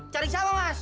cari siapa mas